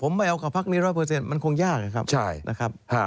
ผมไม่เอากับภาคนี้ร้อยเปอร์เซ็นต์มันคงยากนะครับ